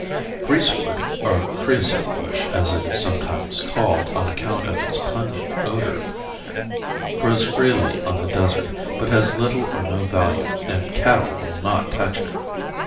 Greasewood, or creasote bush as it is sometimes called on account of its pungent odor, grows freely on the desert, but has little or no value and cattle will not touch it.